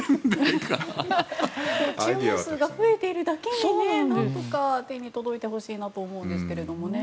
注文数が増えているだけになんとか手元に届いてほしいと思うんですけどね。